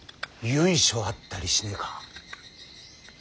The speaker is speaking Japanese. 由緒あったりしねえか。